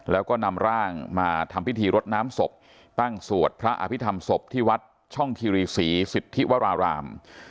แล้วก็นำร่างมาทำพิธีรดน้ำศพตั้งสวดพระอภิษฐรรมศพที่วัดช่องคิรีศรีสิทธิวราราม